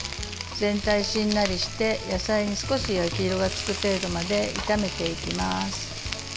全体、しんなりして野菜に少し焼き色がつく程度まで炒めていきます。